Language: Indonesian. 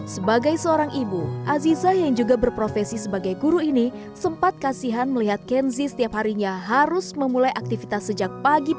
sebagai seorang ibu aziza yang juga berprofesi sebagai guru ini sempat kasihan melihat kenzi setiap harinya harus memulai aktivitas sejak pagi